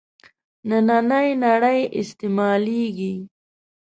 نننۍ نړۍ استعمالېږي.